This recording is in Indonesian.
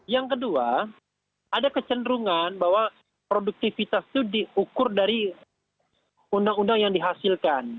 yang kedua ada kecenderungan bahwa produktivitas itu diukur dari undang undang yang dihasilkan